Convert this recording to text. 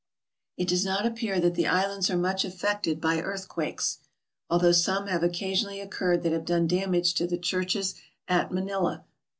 It does not appear that the islands are much affected by earthquakes, although some have occasionally occurred that have done damage to the churches at Manila.